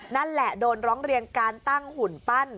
นั่นแหละโดนร้องเรียนการตั้งหุ่นปั้น